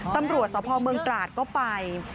ตำรวจสพเมืองตราดก็ไป